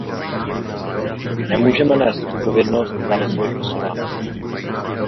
Nemůžeme nést odpovědnost za rozvoj Kosova.